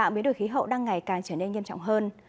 biến đổi khí hậu đang ngày càng trở nên nghiêm trọng hơn